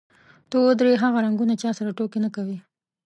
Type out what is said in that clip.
ته ودرې، هغه رنګونه چا سره ټوکې نه کوي.